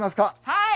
はい！